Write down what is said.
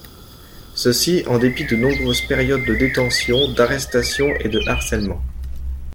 Ceci en dépit de nombreuses périodes de détention, d'arrestations et de harcèlement.